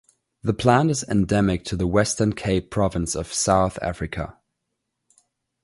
The plant is endemic to the Western Cape province of South Africa.